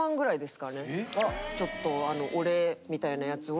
ちょっとお礼みたいなやつを。